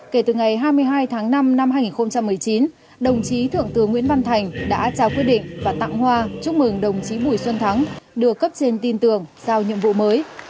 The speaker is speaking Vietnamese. kể từ ngày hai mươi hai tháng năm năm hai nghìn một mươi chín đồng chí thượng tướng nguyễn văn thành đã trao quyết định và tặng hoa chúc mừng đồng chí bùi xuân thắng được cấp trên tin tưởng giao nhiệm vụ mới